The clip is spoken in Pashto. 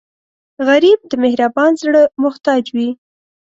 غریب د مهربان زړه محتاج وي